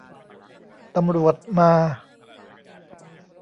ตำรวจมา !